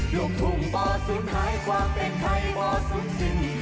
ลูกธุงบ่สุดหายความเป็นไทยบ่สุดสิ้น